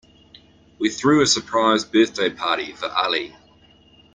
We threw a surprise birthday party for Ali.